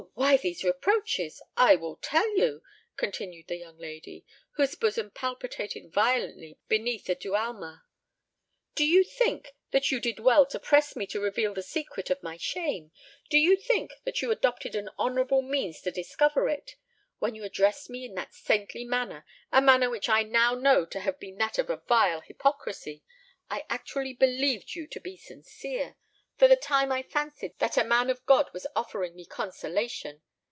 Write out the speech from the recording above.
why these reproaches?—I will tell you," continued the young lady, whose bosom palpitated violently beneath the dualma. "Do you think that you did well to press me to reveal the secret of my shame? Do you think that you adopted an honourable means to discover it? When you addressed me in that saintly manner—a manner which I now know to have been that of a vile hypocrisy—I actually believed you to be sincere; for the time I fancied that a man of God was offering me consolation.